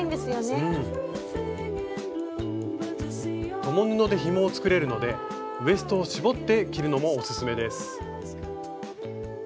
共布でひもを作れるのでウエストを絞って着るのもオススメです。